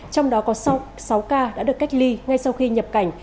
trong đó có sáu ca đã được cách ly ngay sau khi nhập cảnh